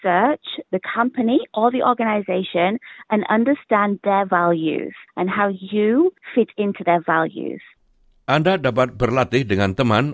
anda dapat berlatih dengan teman